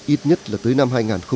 ít nhất là tới năm hai nghìn ba mươi năm